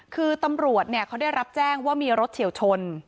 คือตำรวจเขาได้รับแจ้งว่ามีรถเฉียวชน